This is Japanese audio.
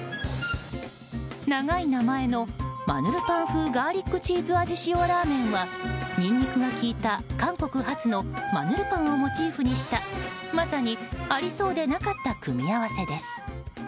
長い名前のマヌルパン風ガーリックチーズ味塩ラーメンはニンニクが利いた韓国発のマヌルパンをモチーフにしたまさに、ありそうでなかった組み合わせです。